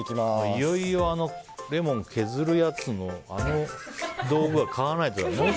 いよいよレモン削るやつのあの道具は買わないとだね。